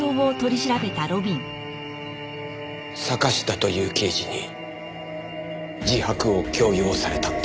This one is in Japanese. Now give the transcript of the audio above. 坂下という刑事に自白を強要されたんです。